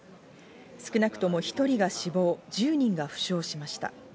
少なくとも１人が死亡、１０人が負傷しました。